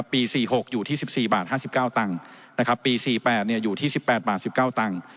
ปี๔๖อยู่ที่๑๔บาท๕๙ตังค์ปี๔๘อยู่ที่๑๘บาท๑๙ตังค์